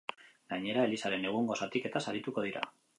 Gainera, elizaren egungo zatiketaz arituko dira.